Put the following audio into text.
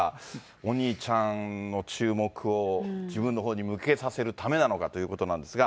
お兄ちゃんの注目を自分のほうに向けさせるためなのかということなんですが。